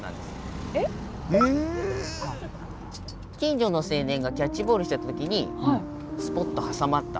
近所の青年がキャッチボールしてた時にスポッと挟まった。